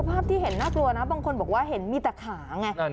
ภาพที่เห็นน่ากลัวนะบางคนบอกว่าเห็นมีแต่ขาไง